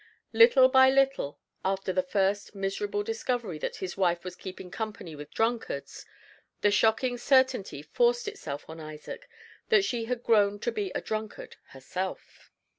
Little by little, after the first miserable discovery that his wife was keeping company with drunkards, the shocking certainty forced itself on Isaac that she had grown to be a drunkard herself.